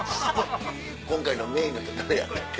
今回のメインの人誰やったっけ？